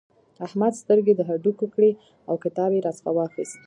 احمد سترګې د هډوکې کړې او کتاب يې راڅخه واخيست.